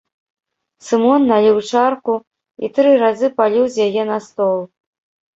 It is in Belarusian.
Сымон наліў чарку і тры разы паліў з яе на стол.